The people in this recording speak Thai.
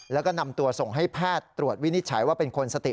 แล้วก็นำตัวส่งให้แพทย์ตรวจวินิจฉัยว่าเป็นคนสติ